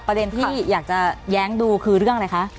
ประเด็นที่อยากจะแย้งดูคือเรื่องอะไรคะ